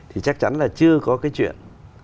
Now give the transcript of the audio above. thì chắc chắn là chưa có cái chuyện